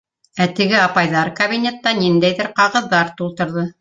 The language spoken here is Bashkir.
Ә теге апайҙар кабинетта ниндәйҙер ҡағыҙҙар тултырҙы.